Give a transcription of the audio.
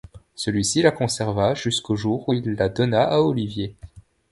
Celui-ci la conserva jusqu'au jour où il la donna à Olivier.